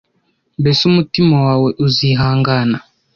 Mbese umutima wawe uzihangana?